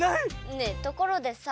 ねえところでさ